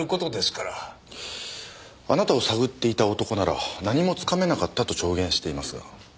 あなたを探っていた男なら何もつかめなかったと証言していますが。